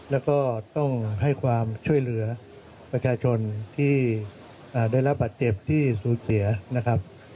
แล้วก็ต้องให้ความช่วยเหลือประชาชนที่ได้รับบัตรเจ็บที่สูญเสียนะครับ